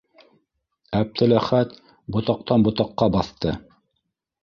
Әптеләхәт ботаҡтан ботаҡҡа баҫты.